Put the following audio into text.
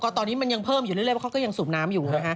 ตอนนี้มันยังเพิ่มอยู่เรื่อยเพราะเขาก็ยังสูบน้ำอยู่นะคะ